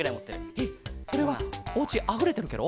えっそれはおうちあふれてるケロ？